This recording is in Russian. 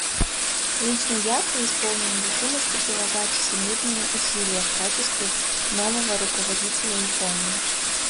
Лично я преисполнен решимости прилагать всемерные усилия в качестве нового руководителя Японии.